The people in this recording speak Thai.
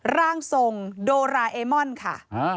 ร่างทรงโดราเอมอนค่ะ